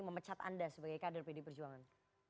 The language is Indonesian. memecat anda sebagai kader pdi perjuangan